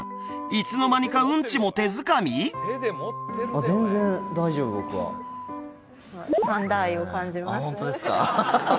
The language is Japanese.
いつの間にかうんちも手づかみあっ全然大丈夫僕はホントですか？